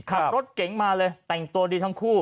ขับรถเก๋งมาเลยแต่งตัวดีทั้งคู่